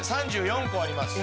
３４個あります。